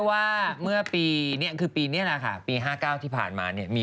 กลัวว่าผมจะต้องไปพูดให้ปากคำกับตำรวจยังไง